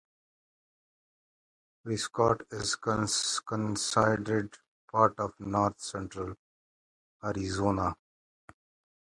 Prescott is considered part of North Central Arizona.